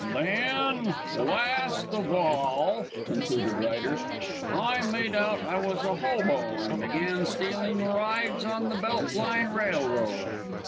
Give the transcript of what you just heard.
"Then, last of all," concluded Ryder, "I made out I was a hobo, and began stealing rides on the Belt Line Railroad.